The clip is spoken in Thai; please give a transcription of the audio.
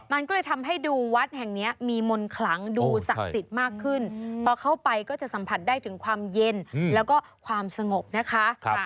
มันก็เลยทำให้ดูวัดแห่งนี้มีมนต์ขลังดูศักดิ์สิทธิ์มากขึ้นพอเข้าไปก็จะสัมผัสได้ถึงความเย็นแล้วก็ความสงบนะคะ